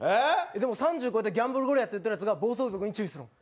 でも３０超えたギャンブルゴリラやってるやつが暴走族に注意するん？